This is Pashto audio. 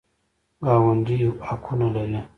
ګاونډي حقونه لري